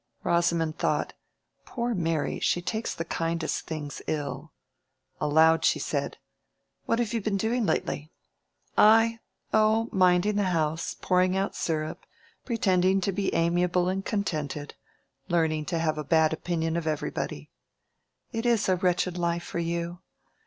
Rosamond thought, "Poor Mary, she takes the kindest things ill." Aloud she said, "What have you been doing lately?" "I? Oh, minding the house—pouring out syrup—pretending to be amiable and contented—learning to have a bad opinion of everybody." "It is a wretched life for you."